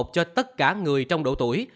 cho tất cả người trong độ tuổi